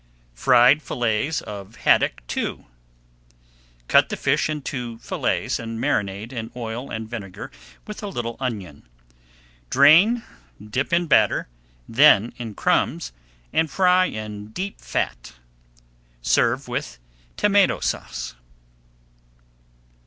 FRIED FILLETS OF HADDOCK II Cut the fish into fillets and marinate in oil and vinegar with a little onion. Drain, dip in batter, then in crumbs, and fry in deep fat. Serve with Tomato Sauce.